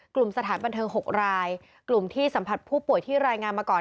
สถานบันเทิง๖รายกลุ่มที่สัมผัสผู้ป่วยที่รายงานมาก่อน